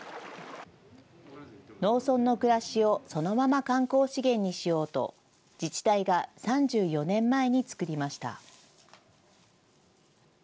農村の暮らしをそのまま観光資源にしようと、自治体が３４年前に作りました。